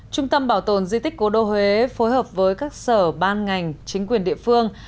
trung tâm bảo tồn di tích cố đô huế phối hợp với các sở ban ngành chính quyền địa phương